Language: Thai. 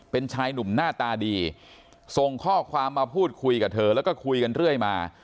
เป็นชายหนุ่มหน้าตาดีส่งข้อความมาพูดคุยกับเธอแล้วก็คุยกันเรื่อยมา